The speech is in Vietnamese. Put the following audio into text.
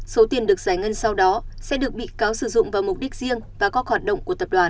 số tiền được giải ngân sau đó sẽ được bị cáo sử dụng vào mục đích riêng và các hoạt động của tập đoàn